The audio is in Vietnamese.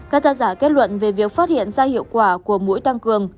các tác giả kết luận về việc phát hiện ra hiệu quả của mũi tăng cường